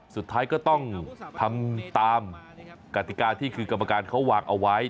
สุดท้ายก็ต้องทำตามกติกาที่คือกรรมการเขาวางเอาไว้